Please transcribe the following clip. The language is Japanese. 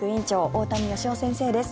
大谷義夫先生です。